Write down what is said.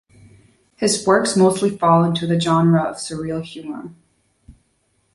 His works mostly fall into the genre of surreal humor.